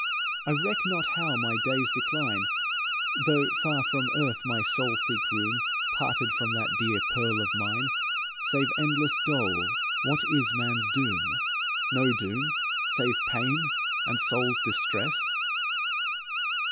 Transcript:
I reck not how my days decline, Though far from earth my soul seek room, Parted from that dear pearl of mine. Save endless dole what is man's doom?" "No doom save pain and soul's distress?"